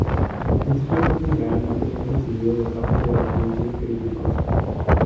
El sencillo fue generalmente bien recibido de parte de la audiencia y críticos.